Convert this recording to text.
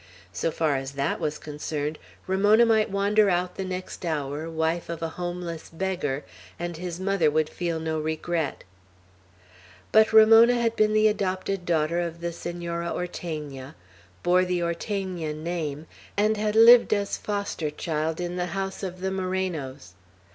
So far as that was concerned, Ramona might wander out the next hour, wife of a homeless beggar, and his mother would feel no regret. But Ramona had been the adopted daughter of the Senora Ortegna, bore the Ortegna name, and had lived as foster child in the house of the Morenos.